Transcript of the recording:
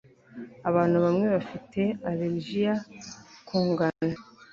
abantu bamwe bafite allergiya ku ngano